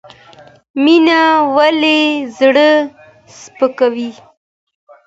مننه ويل زړه سپکوي